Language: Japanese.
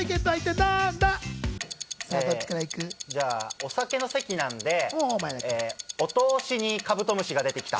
お酒の席なんで、お通しにカブトムシが出てきた。